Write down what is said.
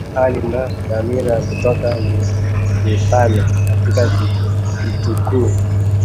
hali na dhamira na kutoa mifano katika Kitikuu